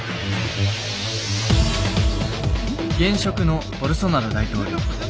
現職のボルソナロ大統領。